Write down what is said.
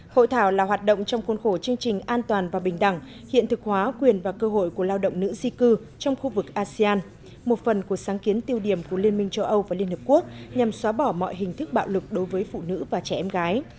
hội thảo là hoạt động trong khuôn khổ chương trình an toàn và bình đẳng hiện thực hóa quyền và cơ hội của lao động nữ di cư trong khu vực asean một phần của sáng kiến tiêu điểm của liên minh châu âu và liên hợp quốc nhằm xóa bỏ mọi hình thức bạo lực đối với phụ nữ và trẻ em gái